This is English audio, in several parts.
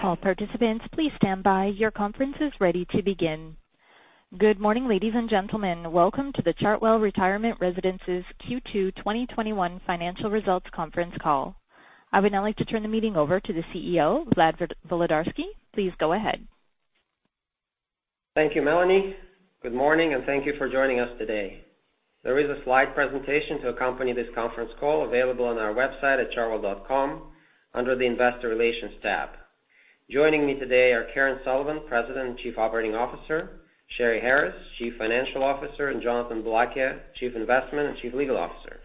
Good morning, ladies and gentlemen. Welcome to the Chartwell Retirement Residences Q2 2021 financial results conference call. I would now like to turn the meeting over to the CEO, Vlad Volodarski. Please go ahead. Thank you, Melanie. Good morning, and thank you for joining us today. There is a slide presentation to accompany this conference call available on our website at chartwell.com under the investor relations tab. Joining me today are Karen Sullivan, President and Chief Operating Officer, Sheri Harris, Chief Financial Officer, and Jonathan Boulakia, Chief Investment and Chief Legal Officer.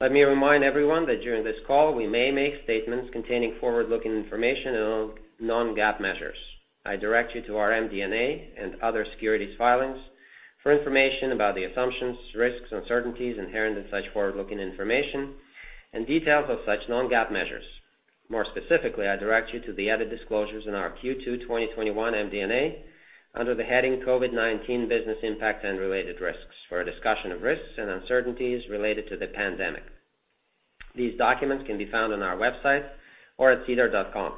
Let me remind everyone that during this call, we may make statements containing forward-looking information and non-GAAP measures. I direct you to our MD&A and other securities filings for information about the assumptions, risks, uncertainties inherent in such forward-looking information and details of such non-GAAP measures. More specifically, I direct you to the added disclosures in our Q2 2021 MD&A under the heading COVID-19 Business Impact and Related Risks for a discussion of risks and uncertainties related to the pandemic. These documents can be found on our website or at sedar.com.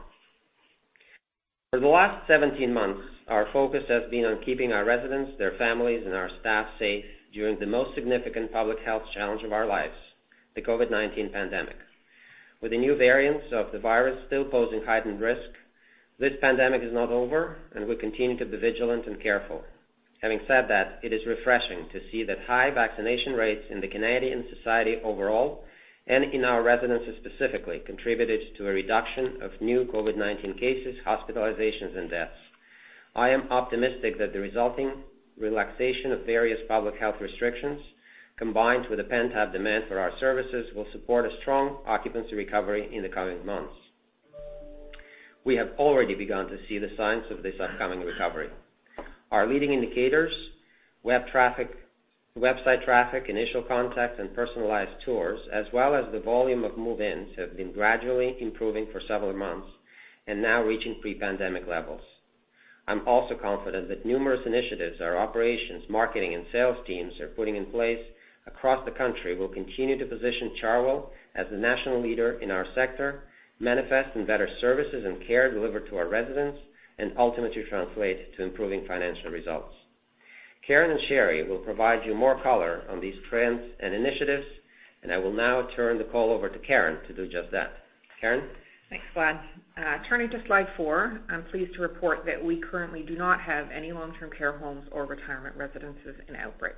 For the last 17 months, our focus has been on keeping our residents, their families, and our staff safe during the most significant public health challenge of our lives, the COVID-19 pandemic. With the new variants of the virus still posing heightened risk, this pandemic is not over, and we continue to be vigilant and careful. Having said that, it is refreshing to see that high vaccination rates in the Canadian society overall and in our residences specifically contributed to a reduction of new COVID-19 cases, hospitalizations, and deaths. I am optimistic that the resulting relaxation of various public health restrictions, combined with a pent-up demand for our services, will support a strong occupancy recovery in the coming months. We have already begun to see the signs of this upcoming recovery. Our leading indicators, website traffic, initial contacts, and personalized tours, as well as the volume of move-ins, have been gradually improving for several months and now reaching pre-pandemic levels. I'm also confident that numerous initiatives our operations, marketing, and sales teams are putting in place across the country will continue to position Chartwell as the national leader in our sector, manifest in better services and care delivered to our residents, and ultimately translate to improving financial results. Karen and Sheri will provide you more color on these trends and initiatives, and I will now turn the call over to Karen to do just that. Karen? Thanks, Vlad. Turning to slide four, I'm pleased to report that we currently do not have any long-term care homes or retirement residences in outbreak.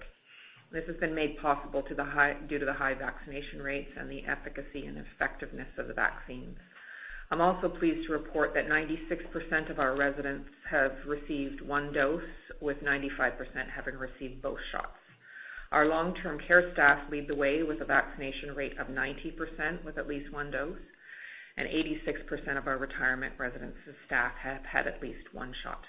This has been made possible due to the high vaccination rates and the efficacy and effectiveness of the vaccines. I'm also pleased to report that 96% of our residents have received one dose, with 95% having received both shots. Our long-term care staff lead the way with a vaccination rate of 90% with at least one dose, and 86% of our retirement residences staff have had at least one shot.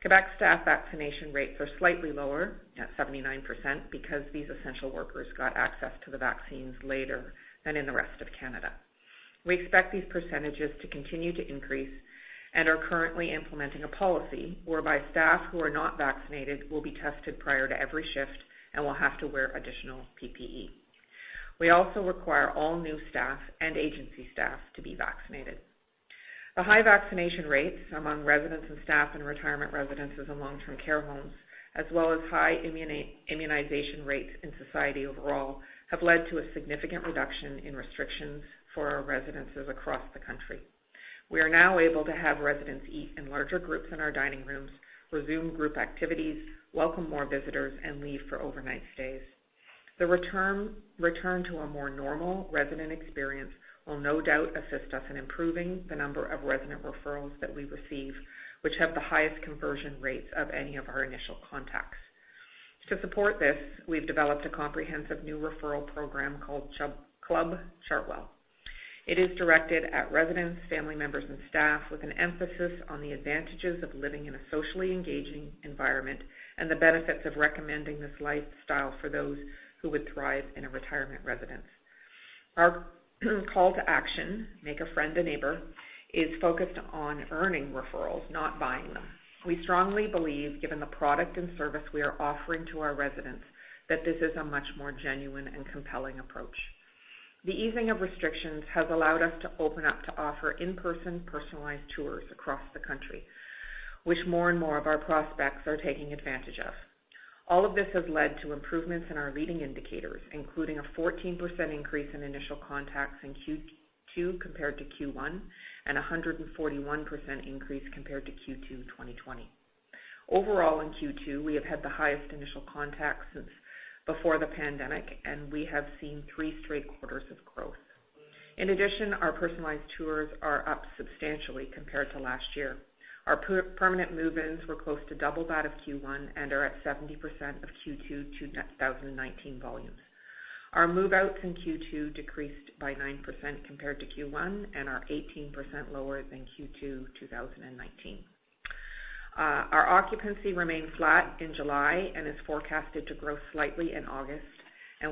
Quebec staff vaccination rates are slightly lower at 79% because these essential workers got access to the vaccines later than in the rest of Canada. We expect these percentages to continue to increase and are currently implementing a policy whereby staff who are not vaccinated will be tested prior to every shift and will have to wear additional PPE. We also require all new staff and agency staff to be vaccinated. The high vaccination rates among residents and staff in retirement residences and long-term care homes, as well as high immunization rates in society overall, have led to a significant reduction in restrictions for our residences across the country. We are now able to have residents eat in larger groups in our dining rooms, resume group activities, welcome more visitors, and leave for overnight stays. The return to a more normal resident experience will no doubt assist us in improving the number of resident referrals that we receive, which have the highest conversion rates of any of our initial contacts. To support this, we've developed a comprehensive new referral program called Club Chartwell. It is directed at residents, family members, and staff, with an emphasis on the advantages of living in a socially engaging environment and the benefits of recommending this lifestyle for those who would thrive in a retirement residence. Our call to action, Make a Friend, a Neighbor, is focused on earning referrals, not buying them. We strongly believe, given the product and service we are offering to our residents, that this is a much more genuine and compelling approach. The easing of restrictions has allowed us to open up to offer in-person personalized tours across the country, which more and more of our prospects are taking advantage of. All of this has led to improvements in our leading indicators, including a 14% increase in initial contacts in Q2 compared to Q1 and 141% increase compared to Q2 2020. Overall, in Q2, we have had the highest initial contacts since before the pandemic. We have seen three straight quarters of growth. In addition, our personalized tours are up substantially compared to last year. Our permanent move-ins were close to double that of Q1 and are at 70% of Q2 2019 volumes. Our move-outs in Q2 decreased by 9% compared to Q1 and are 18% lower than Q2 2019. Our occupancy remained flat in July and is forecasted to grow slightly in August.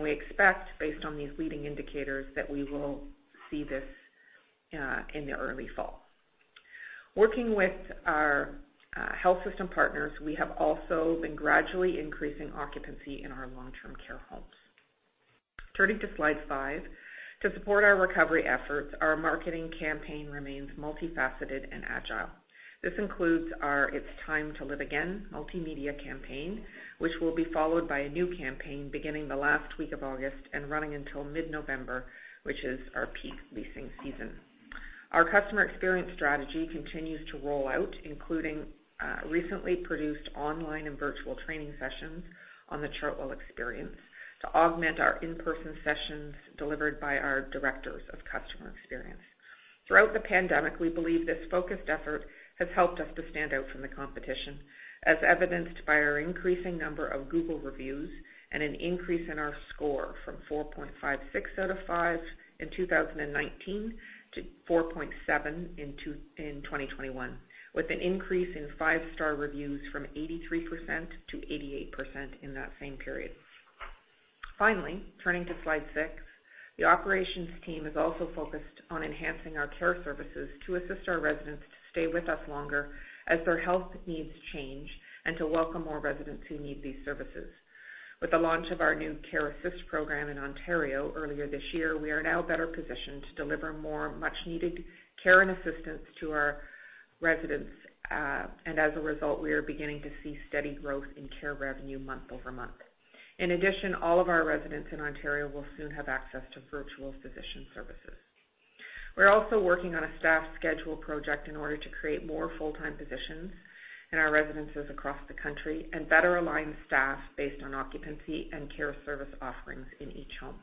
We expect, based on these leading indicators, that we will see this in the early fall. Working with our health system partners, we have also been gradually increasing occupancy in our long-term care homes. Turning to slide five. To support our recovery efforts, our marketing campaign remains multifaceted and agile. This includes our It's Time to Live Again multimedia campaign, which will be followed by a new campaign beginning the last week of August and running until mid-November, which is our peak leasing season. Our customer experience strategy continues to roll out, including recently produced online and virtual training sessions on the Chartwell experience to augment our in-person sessions delivered by our directors of customer experience. Throughout the pandemic, we believe this focused effort has helped us to stand out from the competition, as evidenced by our increasing number of Google reviews and an increase in our score from 4.56 out of five in 2019 to 4.7 in 2021, with an increase in five star reviews from 83% to 88% in that same period. Finally, turning to slide six. The operations team is also focused on enhancing our care services to assist our residents to stay with us longer as their health needs change, and to welcome more residents who need these services. With the launch of our new Care Assist program in Ontario earlier this year, we are now better positioned to deliver more much-needed care and assistance to our residents. As a result, we are beginning to see steady growth in care revenue month-over-month. In addition, all of our residents in Ontario will soon have access to virtual physician services. We're also working on a staff schedule project in order to create more full-time positions in our residences across the country and better align staff based on occupancy and care service offerings in each home.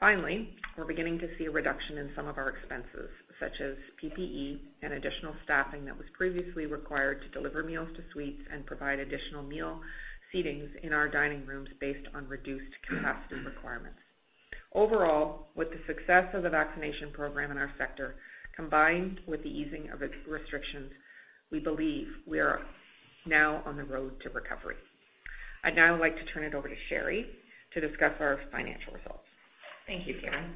Finally, we're beginning to see a reduction in some of our expenses, such as PPE and additional staffing that was previously required to deliver meals to suites and provide additional meal seatings in our dining rooms based on reduced capacity requirements. Overall, with the success of the vaccination program in our sector, combined with the easing of its restrictions, we believe we are now on the road to recovery. I'd now like to turn it over to Sheri to discuss our financial results. Thank you, Karen.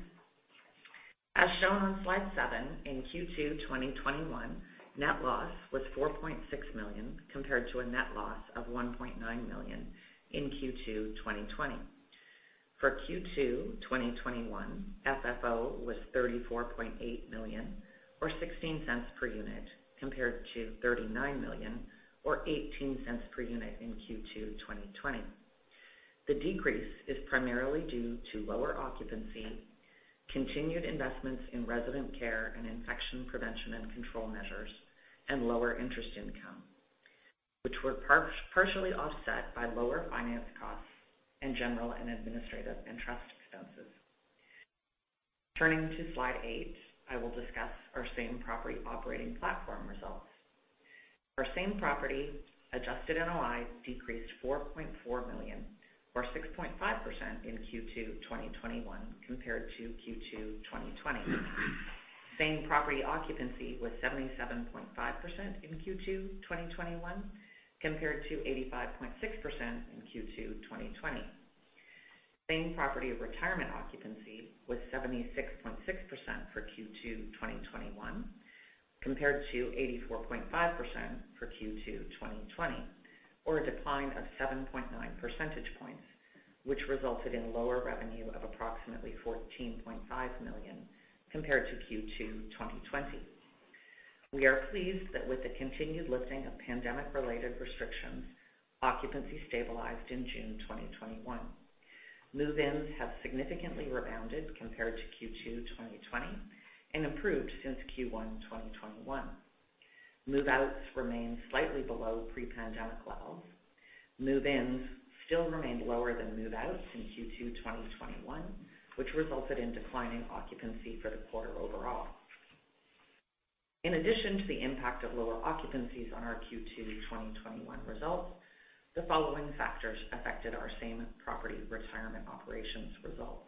As shown on slide seven, in Q2 2021, net loss was 4.6 million, compared to a net loss of 1.9 million in Q2 2020. For Q2 2021, FFO was 34.8 million or 0.16 per unit, compared to 39 million or 0.18 per unit in Q2 2020. The decrease is primarily due to lower occupancy, continued investments in resident care and infection prevention and control measures, and lower interest income, which were partially offset by lower finance costs and general and administrative and trust expenses. Turning to slide eight, I will discuss our same-property operating platform results. Our same property adjusted NOI decreased 4.4 million or 6.5% in Q2 2021 compared to Q2 2020. Same-property occupancy was 77.5% in Q2 2021 compared to 85.6% in Q2 2020. Same-property retirement occupancy was 76.6% for Q2 2021 compared to 84.5% for Q2 2020, or a decline of 7.9 percentage points, which resulted in lower revenue of approximately 14.5 million compared to Q2 2020. We are pleased that with the continued lifting of pandemic-related restrictions, occupancy stabilized in June 2021. Move-ins have significantly rebounded compared to Q2 2020 and improved since Q1 2021. Move-outs remain slightly below pre-pandemic levels. Move-ins still remained lower than move-outs in Q2 2021, which resulted in declining occupancy for the quarter overall. In addition to the impact of lower occupancies on our Q2 2021 results, the following factors affected our same-property retirement operations results.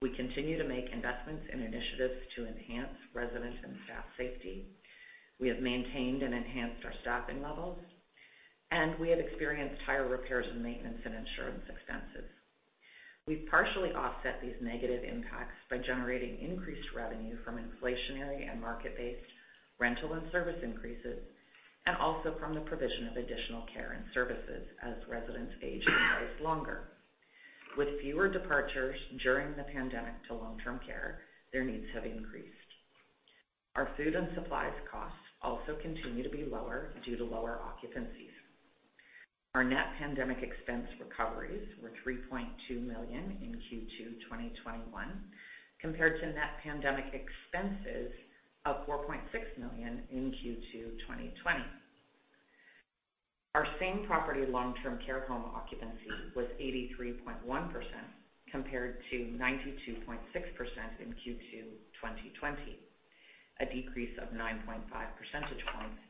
We continue to make investments in initiatives to enhance resident and staff safety. We have maintained and enhanced our staffing levels, and we have experienced higher repairs and maintenance and insurance expenses. We've partially offset these negative impacts by generating increased revenue from inflationary and market-based rental and service increases, and also from the provision of additional care and services as residents age in place longer. With fewer departures during the pandemic to long-term care, their needs have increased. Our food and supplies costs also continue to be lower due to lower occupancies. Our net pandemic expense recoveries were 3.2 million in Q2 2021 compared to net pandemic expenses of 4.6 million in Q2 2020. Our same-property long-term care home occupancy was 83.1% compared to 92.6% in Q2 2020, a decrease of 9.5 percentage points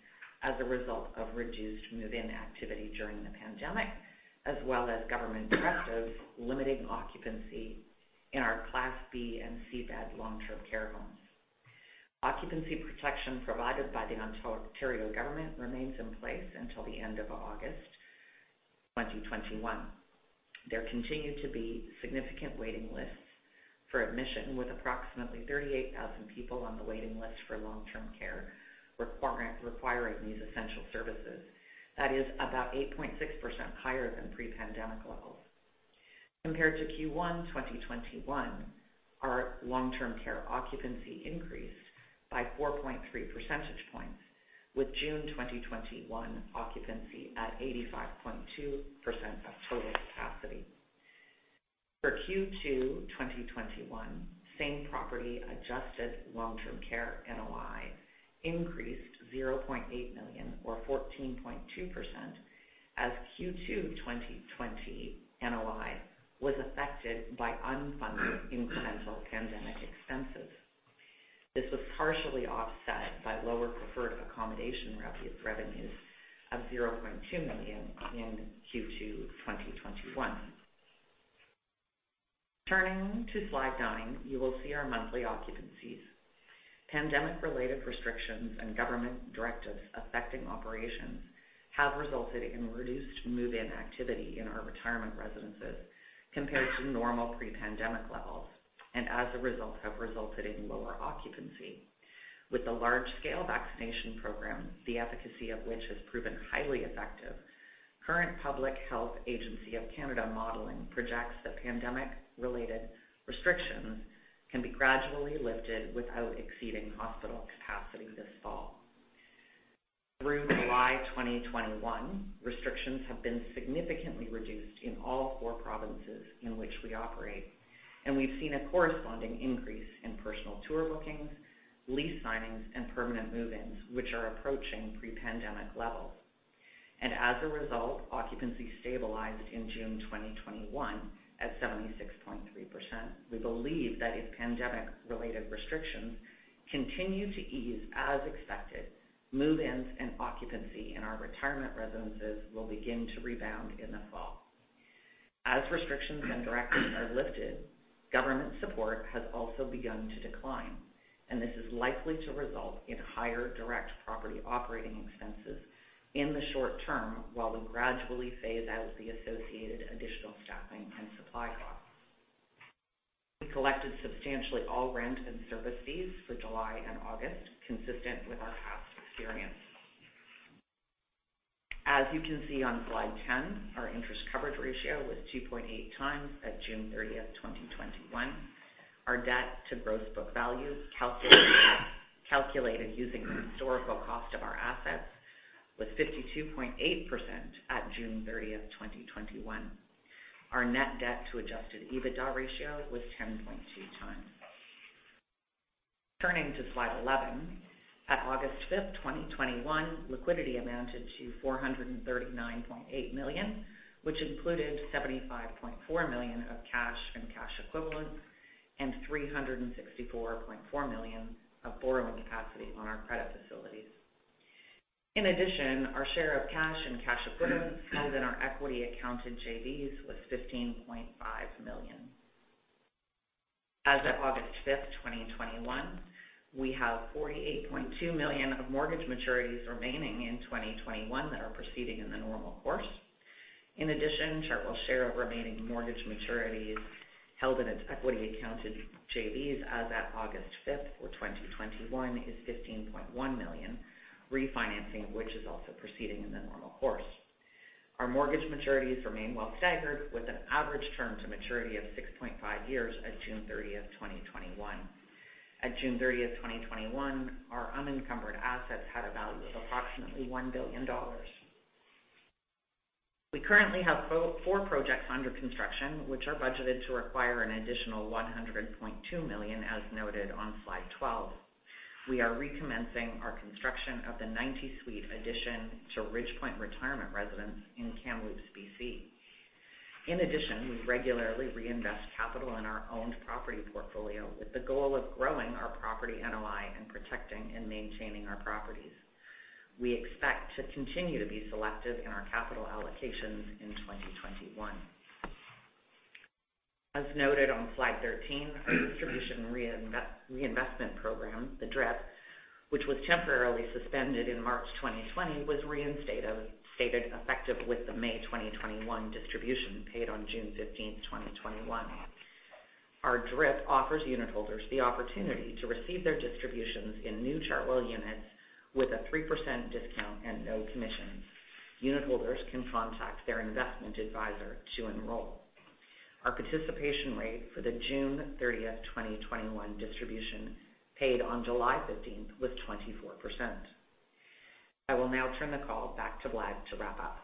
as a result of reduced move-in activity during the pandemic, as well as government directives limiting occupancy in our Class B and C bed long-term care homes. Occupancy protection provided by the Ontario government remains in place until the end of August 2021. There continued to be significant waiting lists for admission, with approximately 38,000 people on the waiting list for long-term care requiring these essential services. That is about 8.6% higher than pre-pandemic levels. Compared to Q1 2021, our long-term care occupancy increased by 4.3 percentage points, with June 2021 occupancy at 85.2% of total capacity. For Q2 2021, same-property adjusted long-term care NOI increased 0.8 million, or 14.2%, as Q2 2020 NOI was affected by unfunded incremental pandemic expenses. This was partially offset by lower preferred accommodation revenues of CAD 0.2 million in Q2 2021. Turning to slide nine, you will see our monthly occupancies. Pandemic-related restrictions and government directives affecting operations have resulted in reduced move-in activity in our retirement residences compared to normal pre-pandemic levels, and as a result, have resulted in lower occupancy. With the large-scale vaccination program, the efficacy of which has proven highly effective, current Public Health Agency of Canada modeling projects that pandemic-related restrictions can be gradually lifted without exceeding hospital capacity this fall. Through July 2021, restrictions have been significantly reduced in all four provinces in which we operate, and we've seen a corresponding increase in personal tour bookings, lease signings, and permanent move-ins, which are approaching pre-pandemic levels. As a result, occupancy stabilized in June 2021 at 76.3%. We believe that if pandemic-related restrictions continue to ease as expected, move-ins and occupancy in our retirement residences will begin to rebound in the fall. As restrictions and directives are lifted, government support has also begun to decline, and this is likely to result in higher direct property operating expenses in the short term, while we gradually phase out the associated additional staffing and supply costs. We collected substantially all rent and service fees for July and August, consistent with our past experience. As you can see on slide 10, our interest coverage ratio was 2.8x at June 30th, 2021. Our debt to gross book value, calculated using the historical cost of our assets, was 52.8% at June 30th, 2021. Our net debt to adjusted EBITDA ratio was 10.2x. Turning to slide 11, at August 5th, 2021, liquidity amounted to 439.8 million, which included 75.4 million of cash and cash equivalents, and 364.4 million of borrowing capacity on our credit facilities. In addition, our share of cash and cash equivalents held in our equity accounted JVs was 15.5 million. As of August 5th, 2021, we have 48.2 million of mortgage maturities remaining in 2021 that are proceeding in the normal course. In addition, Chartwell's share of remaining mortgage maturities held in its equity accounted JVs as at August 5th for 2021 is 15.1 million, refinancing of which is also proceeding in the normal course. Our mortgage maturities remain well staggered, with an average term to maturity of 6.5 years at June 30th, 2021. At June 30th, 2021, our unencumbered assets had a value of approximately 1 billion dollars. We currently have four projects under construction, which are budgeted to require an additional 100.2 million, as noted on slide 12. We are recommencing our construction of the 90-suite addition to Ridgepointe Retirement Residence in Kamloops, B.C. In addition, we regularly reinvest capital in our owned property portfolio, with the goal of growing our property NOI and protecting and maintaining our properties. We expect to continue to be selective in our capital allocations in 2021. As noted on slide 13, our Distribution Reinvestment Plan, the DRIP, which was temporarily suspended in March 2020, was reinstated effective with the May 2021 distribution paid on June 15th, 2021. Our DRIP offers unitholders the opportunity to receive their distributions in new Chartwell units with a 3% discount and no commissions. Unitholders can contact their investment advisor to enroll. Our participation rate for the June 30th, 2021, distribution, paid on July 15th, was 24%. I will now turn the call back to Vlad to wrap up.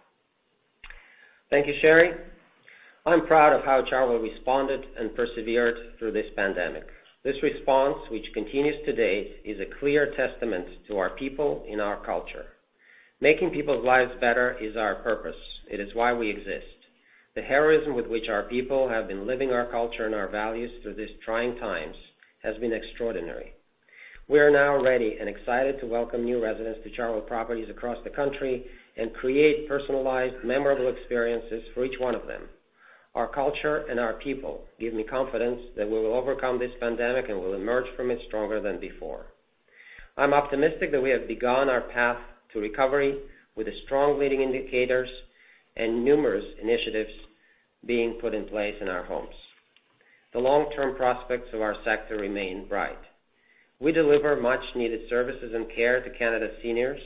Thank you, Sheri. I'm proud of how Chartwell responded and persevered through this pandemic. This response, which continues today, is a clear testament to our people and our culture. Making people's lives better is our purpose. It is why we exist. The heroism with which our people have been living our culture and our values through these trying times has been extraordinary. We are now ready and excited to welcome new residents to Chartwell properties across the country and create personalized, memorable experiences for each one of them. Our culture and our people give me confidence that we will overcome this pandemic and will emerge from it stronger than before. I'm optimistic that we have begun our path to recovery with the strong leading indicators and numerous initiatives being put in place in our homes. The long-term prospects of our sector remain bright. We deliver much needed services and care to Canada's seniors.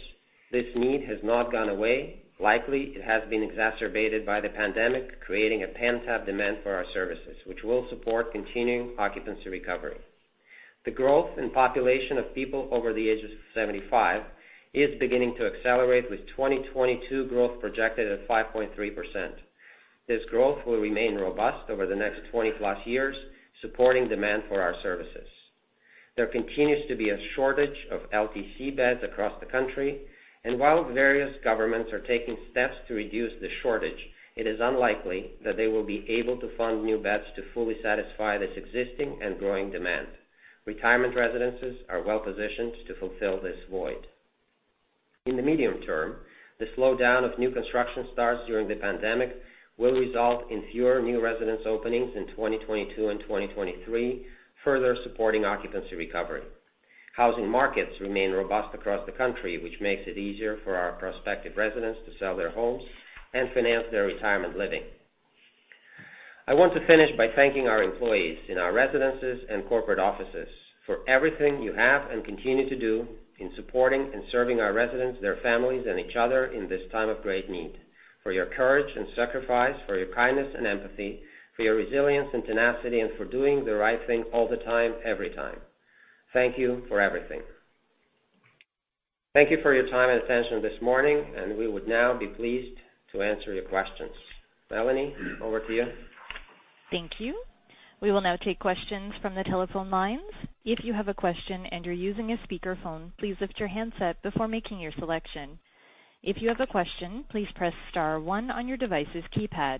This need has not gone away. Likely, it has been exacerbated by the pandemic, creating a pent-up demand for our services, which will support continuing occupancy recovery. The growth in population of people over the age of 75 is beginning to accelerate, with 2022 growth projected at 5.3%. This growth will remain robust over the next 20+ years, supporting demand for our services. There continues to be a shortage of LTC beds across the country, and while various governments are taking steps to reduce the shortage, it is unlikely that they will be able to fund new beds to fully satisfy this existing and growing demand. Retirement residences are well positioned to fulfill this void. In the medium term, the slowdown of new construction starts during the pandemic will result in fewer new residence openings in 2022 and 2023, further supporting occupancy recovery. Housing markets remain robust across the country, which makes it easier for our prospective residents to sell their homes and finance their retirement living. I want to finish by thanking our employees in our residences and corporate offices for everything you have and continue to do in supporting and serving our residents, their families, and each other in this time of great need. For your courage and sacrifice, for your kindness and empathy, for your resilience and tenacity, and for doing the right thing all the time, every time. Thank you for everything. Thank you for your time and attention this morning, and we would now be pleased to answer your questions. Melanie, over to you. Thank you. We will now take questions from the telephone lines. If you have a question and you're using a speakerphone, please lift your handset before making your selection. If you have a question, please press star one on your device's keypad.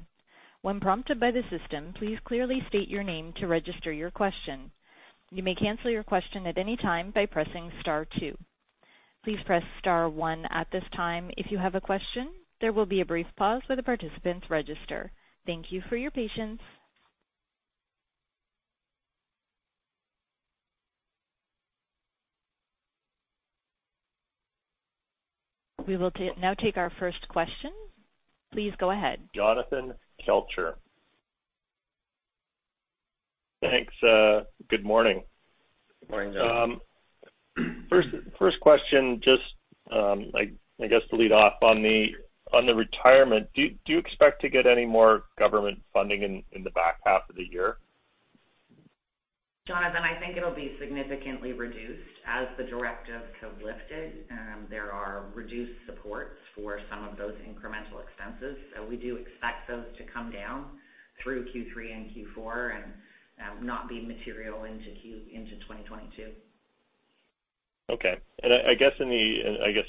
When prompted by the system, please clearly state your name to register your question. You may cancel your question at any time by pressing star two. Please press star one at this time if you have a question. There will be a brief pause for the participants register. Thank you for your patience. We will now take our first question. Please go ahead. Jonathan Kelcher. Thanks. Good morning. Good morning, Jonathan. First question, just I guess to lead off on the retirement. Do you expect to get any more government funding in the back half of the year? Jonathan, I think it'll be significantly reduced. As the directives have lifted, there are reduced supports for some of those incremental expenses. We do expect those to come down through Q3 and Q4 and not be material into 2022. Okay. I guess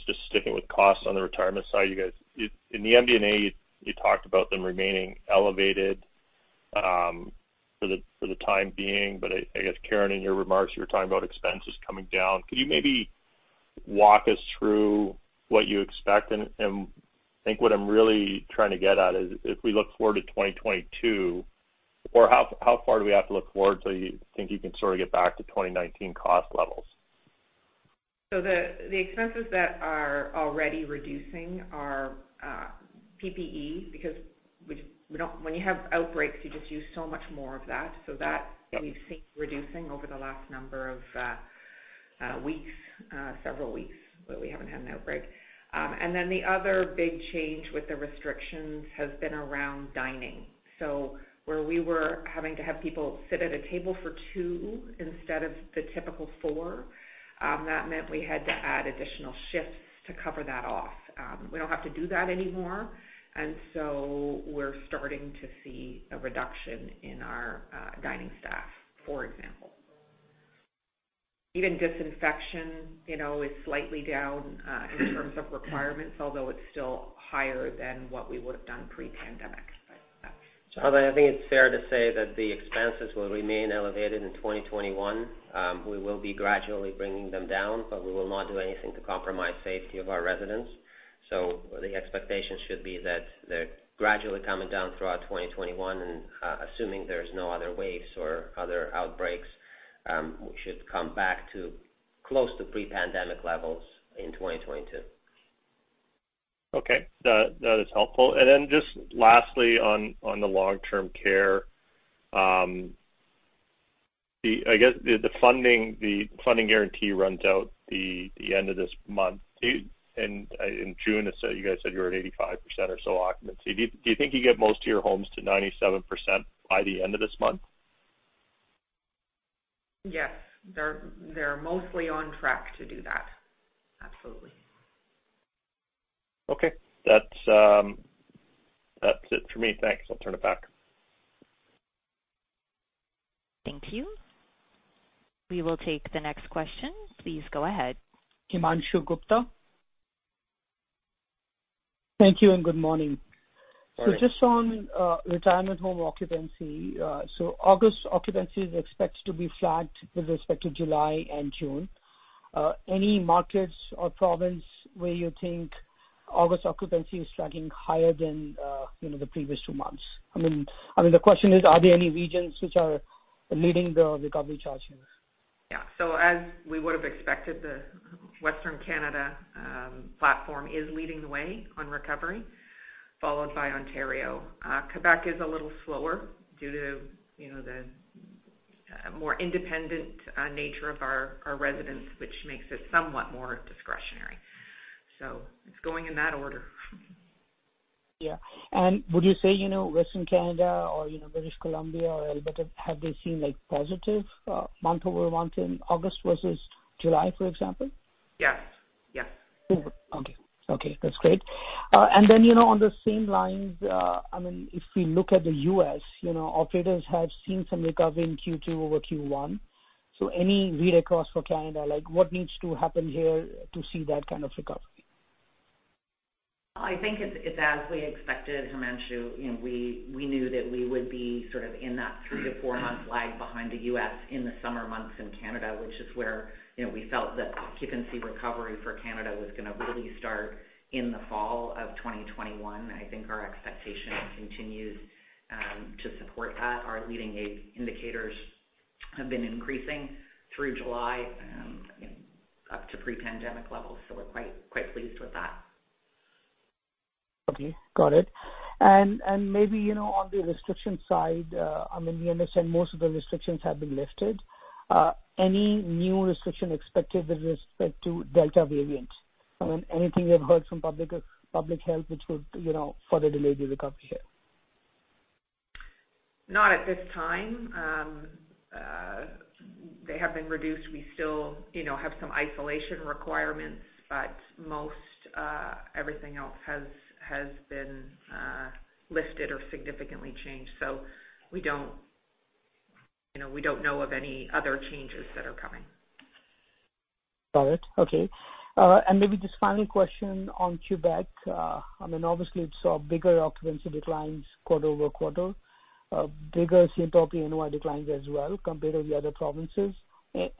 just sticking with costs on the retirement side, you guys, in the MD&A, you talked about them remaining elevated for the time being, but I guess, Karen, in your remarks, you were talking about expenses coming down. Could you maybe walk us through what you expect? I think what I'm really trying to get at is if we look forward to 2022, or how far do we have to look forward till you think you can sort of get back to 2019 cost levels? The expenses that are already reducing are PPE, because when you have outbreaks, you just use so much more of that. That we've seen reducing over the last number of weeks, several weeks where we haven't had an outbreak. The other big change with the restrictions has been around dining. Where we were having to have people sit at a table for two instead of the typical four, that meant we had to add additional shifts to cover that off. We don't have to do that anymore, and so we're starting to see a reduction in our dining staff, for example. Even disinfection is slightly down in terms of requirements, although it's still higher than what we would have done pre-pandemic. Jonathan, I think it's fair to say that the expenses will remain elevated in 2021. We will be gradually bringing them down, but we will not do anything to compromise safety of our residents. The expectation should be that they're gradually coming down throughout 2021, and assuming there's no other waves or other outbreaks, we should come back to close to pre-pandemic levels in 2022. Okay. That is helpful. Then just lastly on the long-term care. I guess the funding guarantee runs out the end of this month. In June, you guys said you were at 85% or so occupancy. Do you think you get most of your homes to 97% by the end of this month? Yes. They're mostly on track to do that. Absolutely. Okay. That's it for me. Thanks. I'll turn it back. Thank you. We will take the next question. Please go ahead. Himanshu Gupta. Thank you, and good morning. Morning. Just on retirement home occupancy. August occupancy is expected to be flat with respect to July and June. Any markets or province where you think August occupancy is tracking higher than the previous two months? The question is, are there any regions which are leading the recovery charge here? Yeah. As we would have expected, the Western Canada platform is leading the way on recovery, followed by Ontario. Quebec is a little slower due to the more independent nature of our residents, which makes it somewhat more discretionary. It's going in that order. Yeah. Would you say, Western Canada or British Columbia or Alberta, have they seemed positive month-over-month in August versus July, for example? Yeah. Okay. That's great. On the same lines, if we look at the U.S., operators have seen some recovery in Q2 over Q1. Any read across for Canada, like what needs to happen here to see that kind of recovery? I think it's as we expected, Himanshu. We knew that we would be sort of in that three to four-month lag behind the U.S. in the summer months in Canada, which is where we felt that occupancy recovery for Canada was going to really start in the fall of 2021. I think our expectation continues to support that. Our leading indicators have been increasing through July up to pre-pandemic levels, so we're quite pleased with that. Okay. Got it. Maybe on the restriction side, we understand most of the restrictions have been lifted. Any new restriction expected with respect to Delta variant? Anything you have heard from public health which would further delay the recovery here? Not at this time. They have been reduced. We still have some isolation requirements, but most everything else has been lifted or significantly changed. We don't know of any other changes that are coming. Got it. Okay. Maybe just final question on Quebec. Obviously, we saw bigger occupancy declines quarter-over-quarter, bigger COTP NOI declines as well compared to the other provinces.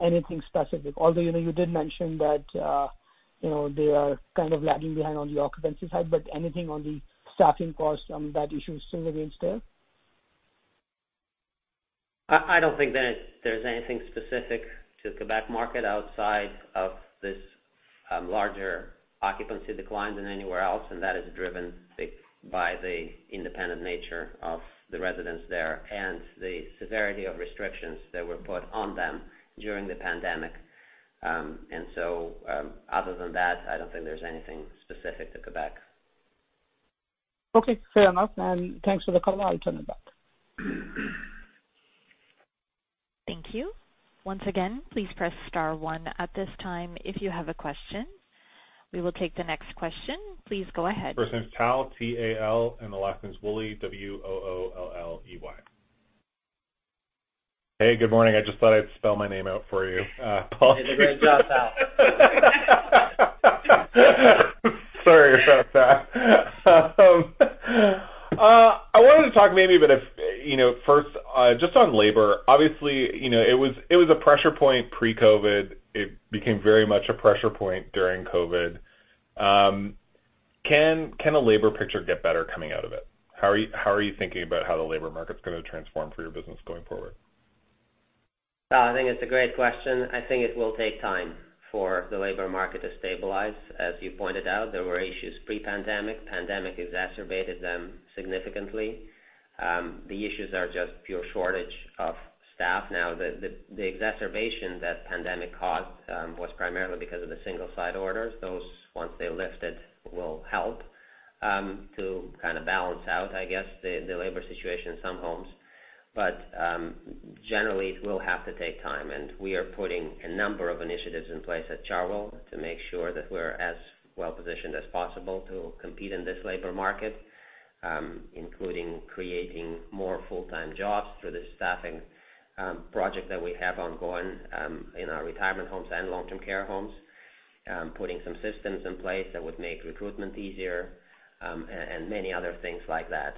Anything specific? Although, you did mention that they are kind of lagging behind on the occupancy side, but anything on the staffing costs, that issue still remains there? I don't think that there's anything specific to Quebec market outside of this larger occupancy decline than anywhere else, and that is driven by the independent nature of the residents there and the severity of restrictions that were put on them during the pandemic. Other than that, I don't think there's anything specific to Quebec. Okay, fair enough, and thanks for the color. I'll turn it back. Thank you. Once again, please press star one at this time if you have a question. We will take the next question. Please go ahead. First name's Tal, T-A-L, and the last name's Woolley, W-O-O-L-L-E-Y. Hey, good morning. I just thought I'd spell my name out for you, Paul. You did a great job, Tal. Sorry about that. I wanted to talk maybe a bit, first, just on labor. Obviously, it was a pressure point pre-COVID. It became very much a pressure point during COVID. Can a labor picture get better coming out of it? How are you thinking about how the labor market's gonna transform for your business going forward? Tal, I think it's a great question. I think it will take time for the labor market to stabilize. As you pointed out, there were issues pre-pandemic. Pandemic exacerbated them significantly. The issues are just pure shortage of staff now. The exacerbation that pandemic caused was primarily because of the single-site orders. Those, once they're lifted, will help to kind of balance out, I guess, the labor situation in some homes. Generally, it will have to take time, and we are putting a number of initiatives in place at Chartwell to make sure that we're as well positioned as possible to compete in this labor market, including creating more full-time jobs through the staffing project that we have ongoing in our retirement homes and long-term care homes, putting some systems in place that would make recruitment easier, and many other things like that.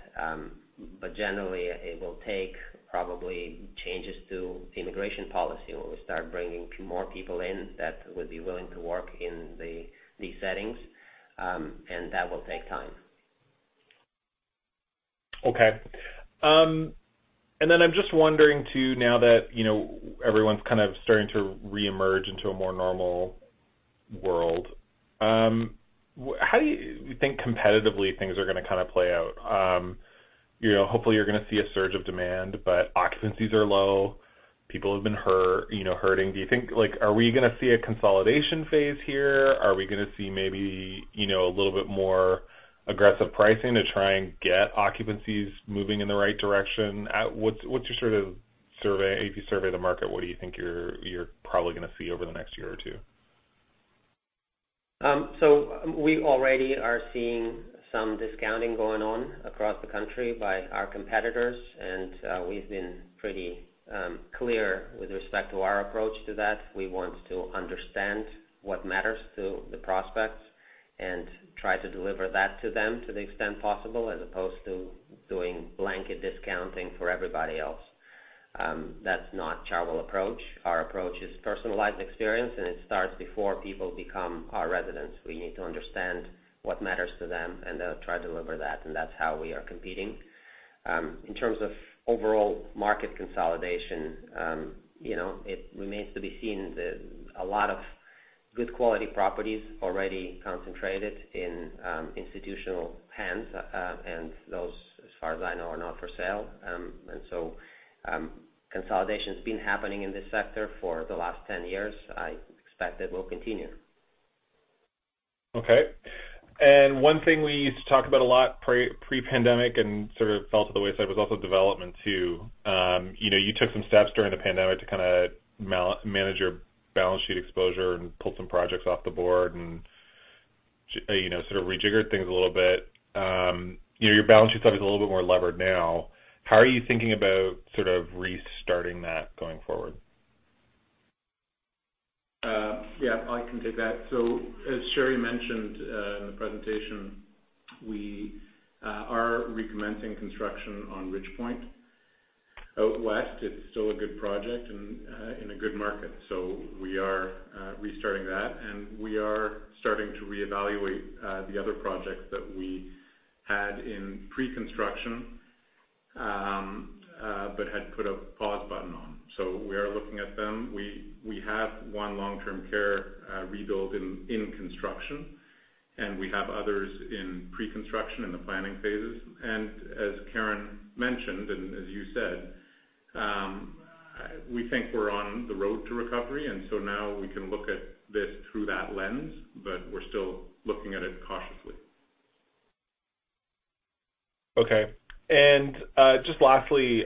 Generally, it will take probably changes to immigration policy, where we start bringing more people in that would be willing to work in these settings, and that will take time. Okay. Then I'm just wondering, too, now that everyone's kind of starting to reemerge into a more normal world, how do you think competitively things are gonna play out? Hopefully, you're gonna see a surge of demand, but occupancies are low. People have been hurting. Do you think, are we gonna see a consolidation phase here? Are we gonna see maybe a little bit more aggressive pricing to try and get occupancies moving in the right direction? If you survey the market, what do you think you're probably gonna see over the next year or two? We already are seeing some discounting going on across the country by our competitors, and we've been pretty clear with respect to our approach to that. We want to understand what matters to the prospects and try to deliver that to them to the extent possible, as opposed to doing blanket discounting for everybody else. That's not Chartwell approach. Our approach is personalized experience, and it starts before people become our residents. We need to understand what matters to them and then try to deliver that. That's how we are competing. In terms of overall market consolidation, it remains to be seen. A lot of good quality properties already concentrated in institutional hands. Those, as far as I know, are not for sale. Consolidation's been happening in this sector for the last 10 years. I expect it will continue. One thing we used to talk about a lot pre-pandemic and sort of fell to the wayside was also development too. You took some steps during the pandemic to manage your balance sheet exposure and pull some projects off the board and sort of rejigger things a little bit. Your balance sheet's probably a little bit more levered now. How are you thinking about restarting that going forward? Yeah, I can take that. As Sheri mentioned in the presentation, we are recommencing construction on Ridgepointe out west. It is still a good project and in a good market, we are restarting that, and we are starting to reevaluate the other projects that we had in pre-construction but had put a pause button on. We are looking at them. We have one long-term care rebuild in construction, and we have others in pre-construction in the planning phases. As Karen mentioned, and as you said, we think we are on the road to recovery. Now we can look at this through that lens, but we are still looking at it cautiously. Okay. Just lastly,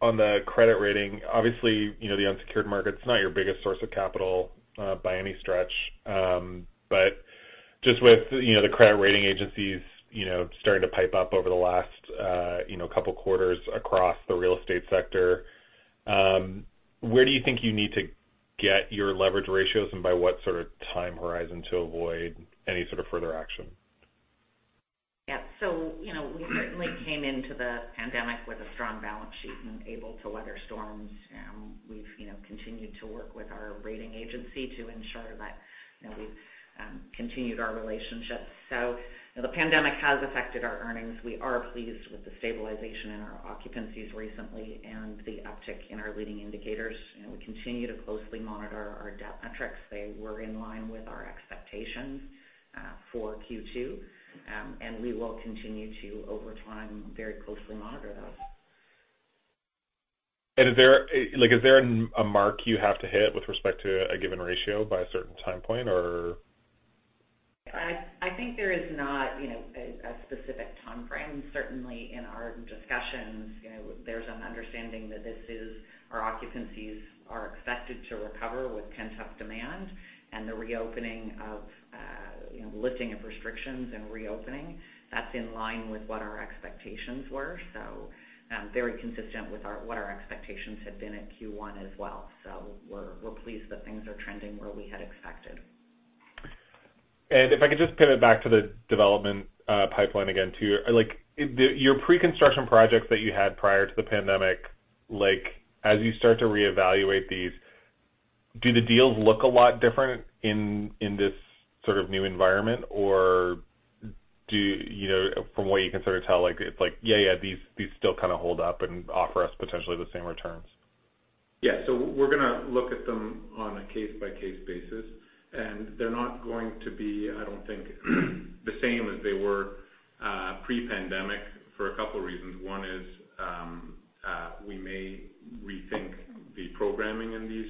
on the credit rating, obviously, the unsecured market's not your biggest source of capital by any stretch. Just with the credit rating agencies starting to pipe up over the last couple quarters across the real estate sector, where do you think you need to get your leverage ratios and by what sort of time horizon to avoid any sort of further action? Yeah. We certainly came into the pandemic with a strong balance sheet and able to weather storms. We've continued to work with our rating agency to ensure that we've continued our relationship. The pandemic has affected our earnings. We are pleased with the stabilization in our occupancies recently and the uptick in our leading indicators. We continue to closely monitor our debt metrics. They were in line with our expectations for Q2. We will continue to, over time, very closely monitor those. Is there a mark you have to hit with respect to a given ratio by a certain time point, or? I think there is not a specific timeframe. Certainly, in our discussions, there's an understanding that our occupancies are expected to recover with pent-up demand and the lifting of restrictions and reopening. That's in line with what our expectations were. Very consistent with what our expectations had been at Q1 as well. We're pleased that things are trending where we had expected. If I could just pivot back to the development pipeline again, too. Your pre-construction projects that you had prior to the pandemic, as you start to reevaluate these, do the deals look a lot different in this sort of new environment? From what you can sort of tell, it's like, yeah, these still kind of hold up and offer us potentially the same returns. Yeah. We're going to look at them on a case-by-case basis, and they're not going to be, I don't think, the same as they were pre-pandemic for a couple reasons. 1 is we may rethink the programming in these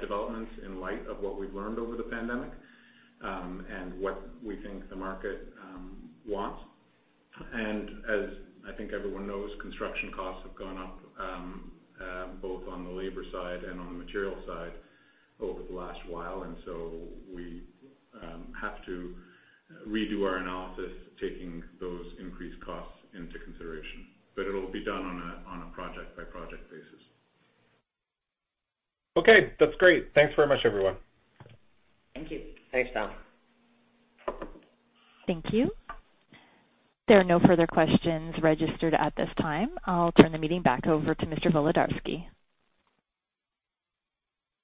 developments in light of what we've learned over the pandemic and what we think the market wants. As I think everyone knows, construction costs have gone up both on the labor side and on the material side over the last while. We have to redo our analysis, taking those increased costs into consideration. It'll be done on a project-by-project basis. Okay. That's great. Thanks very much, everyone. Thank you. Thanks, Tal. Thank you. There are no further questions registered at this time. I'll turn the meeting back over to Mr. Volodarski.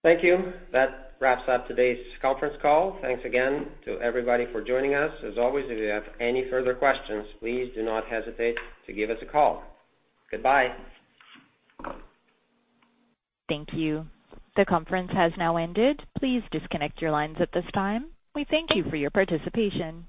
Thank you. That wraps up today's conference call. Thanks again to everybody for joining us. As always, if you have any further questions, please do not hesitate to give us a call. Goodbye. Thank you. The conference has now ended. Please disconnect your lines at this time. We thank you for your participation.